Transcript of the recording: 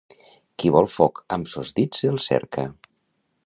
Qui vol foc amb sos dits el cerca.